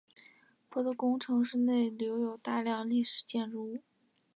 彼得宫城市内的留有大量历史建筑物。